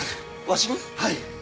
はい！